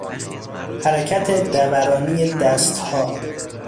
حرکت دورانی دستها